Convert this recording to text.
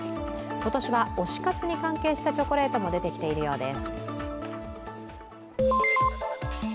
今年は推し活に関係したチョコレートも出てきているようです。